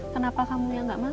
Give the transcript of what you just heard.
kenapa kamu yang nggak makan